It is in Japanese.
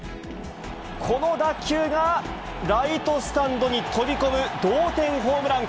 この打球がライトスタンドに飛び込む同点ホームラン。